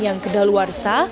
yang ke dalwarsa